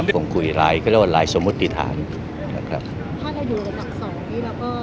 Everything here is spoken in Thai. เป็นราวรวบรวมเป็นไง